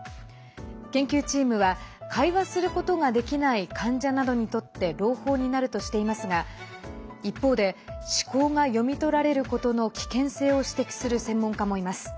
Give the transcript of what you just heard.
研究チームは会話することができない患者などにとって朗報になるとしていますが一方で思考が読み取られることの危険性を指摘する専門家もいます。